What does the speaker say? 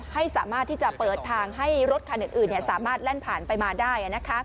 ให้สามารถที่จะเปิดทางให้รถคันอื่นสามารถแล่นผ่านไปมาได้